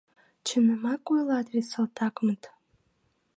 — Чынымак ойлат вет салтакмыт?